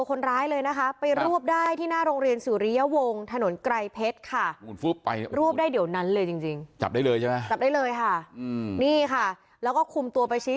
คนร้ายห์หรือวิ่งหนีไปแต่ว่ารีบแจ้งเหตุไปที่